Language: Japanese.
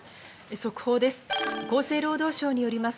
速報です。